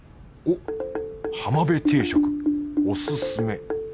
おっはまべ定食おすすめ。